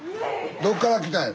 どっから来たんや？